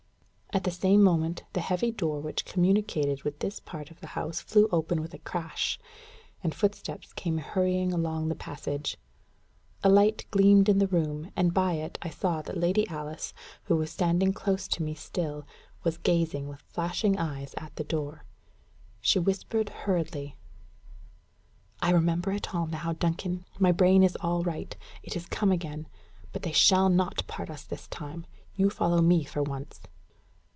At the same moment, the heavy door which communicated with this part of the house flew open with a crash, and footsteps came hurrying along the passage. A light gleamed into the room, and by it I saw that Lady Alice, who was standing close to me still, was gazing, with flashing eyes, at the door. She whispered hurriedly: "I remember it all now, Duncan. My brain is all right. It is come again. But they shall not part us this time. You follow me for once."